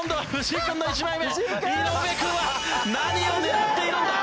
井上君は何を狙っているんだ？